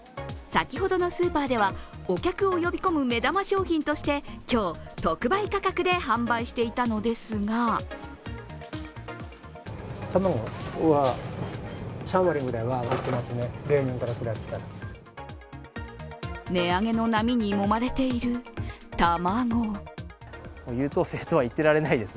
先ほどのスーパーでは、お客を呼び込む目玉商品として今日、特売価格で販売していたのですが値上げの波にもまれている卵。